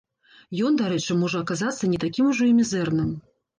Ён, дарэчы, можа, аказацца не такім ужо і мізэрным.